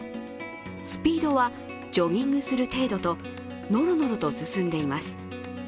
スピードはジョギングする程度とのろのろと進んでいます。